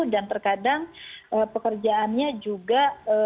dan terkadang pekerjaannya juga